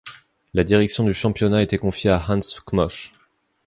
La direction du championnat était confiée à Hans Kmoch.